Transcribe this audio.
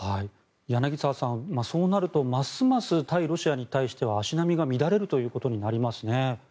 柳澤さん、そうなるとますます対ロシアに対しては足並みが乱れるということになりますね。